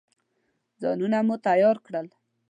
ځانونه مو تیار کړل.